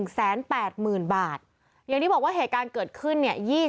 ๑๘๐๐๐บาทอย่างที่บอกว่าเหตุการณ์เกิดขึ้นเนี่ย